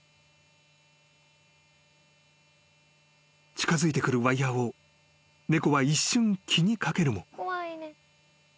［近づいてくるワイヤを猫は一瞬気に掛けるも］